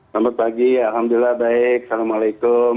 selamat pagi alhamdulillah baik assalamualaikum